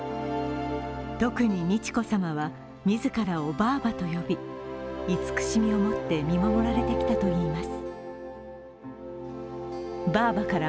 特に美智子さまは自らをばあばと呼び、慈しみを持って見守られてきたといいます。